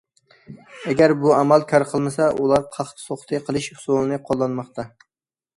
ئەگەر بۇ ئامال كار قىلمىسا، ئۇلار قاقتى- سوقتى قىلىش ئۇسۇلىنى قوللانماقتا.